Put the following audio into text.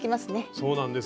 そうなんです。